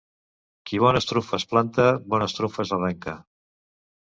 Qui bones trumfes planta, bones trumfes arrenca.